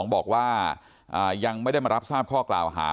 บอกว่ายังไม่ได้มารับทราบข้อกล่าวหา